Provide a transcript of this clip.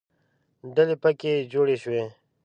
ډلې پکې جوړې شوې.